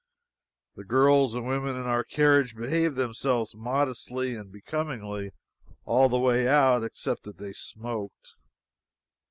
The girls and women in our carriage behaved themselves modestly and becomingly all the way out, except that they smoked.